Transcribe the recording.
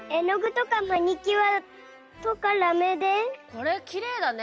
これきれいだね。